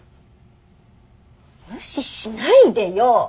無視しないでよ！